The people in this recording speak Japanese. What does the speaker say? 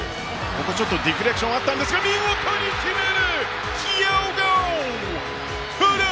ちょっとディフレクションあったんですが古橋、見事に決める！